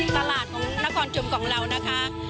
ตลาดของนครชุมของเรานะคะ